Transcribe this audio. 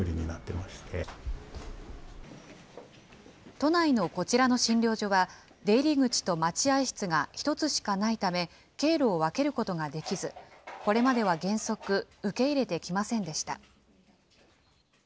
都内のこちらの診療所は、出入り口と待合室が１つしかないため、経路を分けることができず、これまでは原則、受け入れてきませんでした。